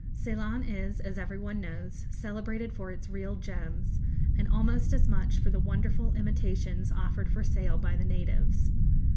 Ceylon is, as every one knows, celebrated for its real gems, and almost as much for the wonderful imitations offered for sale by the natives.